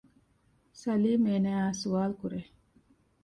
ސަލީމް އޭނާއާ ސުވާލު ކުރޭ